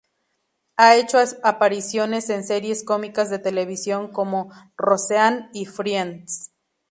Ha hecho apariciones en series cómicas de televisión como "Roseanne" y "Friends".